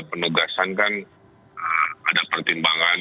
penugasan kan ada pertimbangan